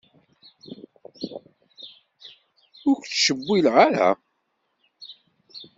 Ur k-ttcewwileɣ ara.